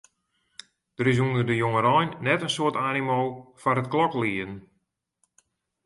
Der is ûnder de jongerein net in soad animo foar it kloklieden.